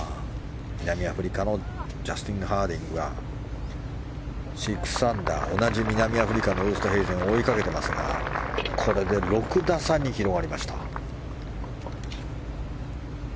南アフリカのジャスティン・ハーディングが６アンダー、同じ南アフリカのウーストヘイゼンを追いかけていますがこれで６打差に広がりました。